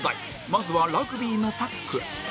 まずは「ラグビーのタックル」